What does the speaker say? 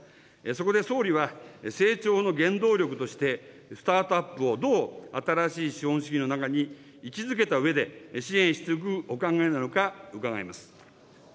そこで総理は、成長の原動力としてスタートアップをどう新しい資本主義の中に位置づけたうえで、支援していくお考えなのか伺います。